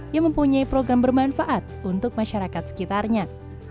yang mempunyai program bermanfaat untuk masyarakat sekitarnya